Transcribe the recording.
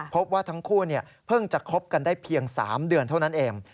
พบว่าทั้งคู่เพิ่งจะคบกันได้เพียง๓เดือนเท่านั้นเอง